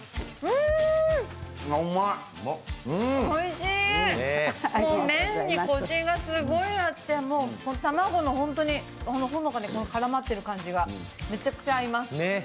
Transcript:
おいしい、麺にこしがすごいあって、卵の本当にほのかに絡まっている感じがめちゃくちゃ合います。